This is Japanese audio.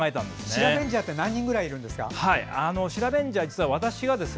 シラベンジャーって何人くらい、いるんですか？